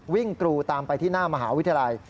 กรูตามไปที่หน้ามหาวิทยาลัย